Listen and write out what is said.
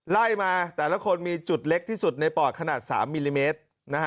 ไล่มาแต่ละคนมีจุดเล็กที่สุดในปอดขนาด๓มิลลิเมตร